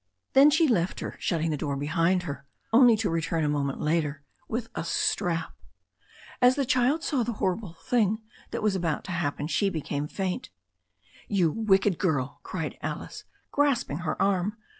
Then she left her, shut ting the door behind her, only to return a moment later with a strap. As the child saw the horrible thing that was about to happen she became faint. "You wicked girl," cried Alice, grasping her arm.